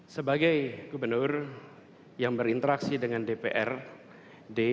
sebagai gubernur yang berinteraksi dengan dprd